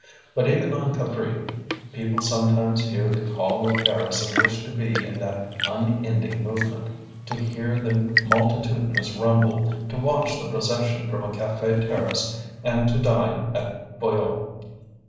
But even on Capri, people sometimes hear the call of Paris and wish to be in that unending movement: to hear the multitudinous rumble, to watch the procession from a cafe terrace and to dine at Foyot's.